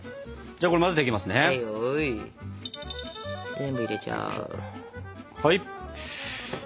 全部入れちゃう。